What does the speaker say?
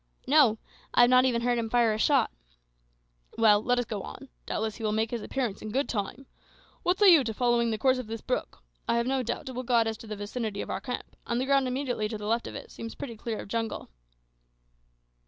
"No; I have not even heard him fire a shot." "Well, let us go on. Doubtless he will make his appearance in good time. What say you to following the course of this brook? I have no doubt it will guide us to the vicinity of our camp, and the ground immediately to the left of it seems pretty clear of jungle."